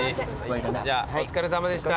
じゃあお疲れさまでした。